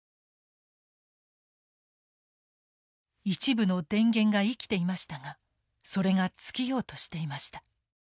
一部の電源が生きていましたがそれが尽きようとしていました。